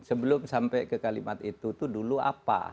sampai ke kalimat itu dulu apa